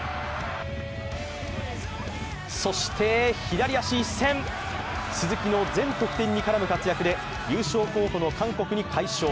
そして左足一閃、鈴木の全得点に絡む活躍で優勝候補の韓国に快勝。